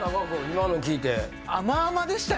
今の聞いて。